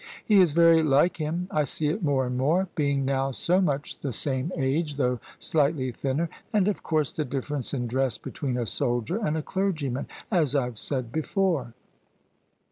He is very like him: I see it more and more: being now so much the same age, though slightly thinner: and of course the difference in dress between a soldier and a clergyman, as IVe said before."